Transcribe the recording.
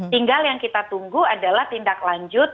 tinggal yang kita tunggu adalah tindak lanjut